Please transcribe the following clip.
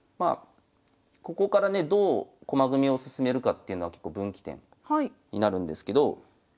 ここからねどう駒組みを進めるかっていうのは結構分岐点になるんですけど。